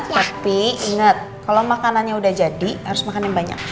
tapi ingat kalau makanannya udah jadi harus makan yang banyak